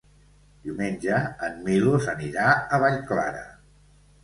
Diumenge en Milos anirà a Vallclara.